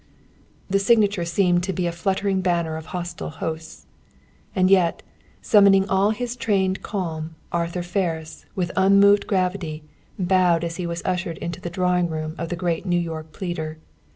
The signature seemed to be a fluttering banner of hostile hosts. And yet, summoning all his trained calm, Arthur Ferris, with unmoved gravity, bowed as he was ushered into the drawing room of the great New York pleader.